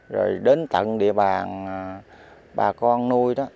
rồi đến tận địa bàn bà con nuôi đó